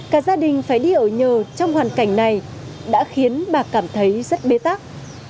cả gia đình phải đi ở nhờ trong hoàn cảnh này đã khiến bà cảm thấy rất bế tắc